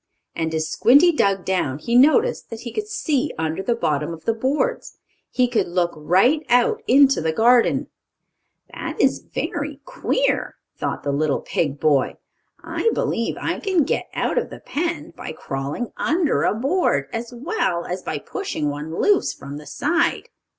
And, as Squinty dug down, he noticed that he could see under the bottom of the boards. He could look right out into the garden. "That is very queer," thought the little pig boy. "I believe I can get out of the pen by crawling under a board, as well as by pushing one loose from the side.